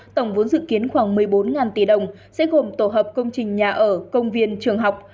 tổng vốn dự kiến khoảng một mươi bốn tỷ đồng sẽ gồm tổ hợp công trình nhà ở công viên trường học